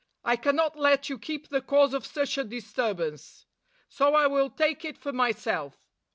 I cannot let you keep the cause of such a disturbance, so I will take it for myself.